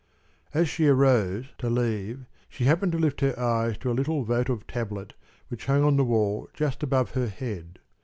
As she arose to leave, she happened to lift her eyes to a little votive tablet which hung on the wall just above her head.